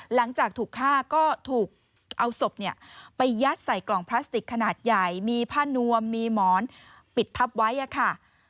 หลังจากถูกฆ่าก็ถูกเอาศพไปยัดใส่กล่องพลาสติกขนาดใหญ่มีผ้านวมมีหมอนปิดทับไว้ค่ะ